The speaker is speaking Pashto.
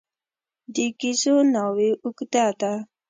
د ګېزو ناوې اوږده ده.